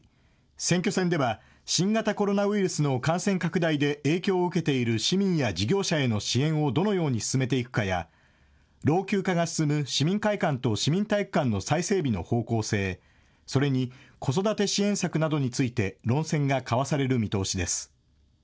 選挙戦では新型コロナウイルスの感染拡大で影響を受けている市民や事業者への支援をどのように進めていくかや老朽化が進む市民会館と市民体育館の再整備の方向性、それに子育て支援策などについて論戦が交わされる見通しです。